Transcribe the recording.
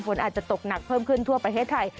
ฝนอาจจะตกหนักเพิ่มขึ้นทั่วประเทศไทย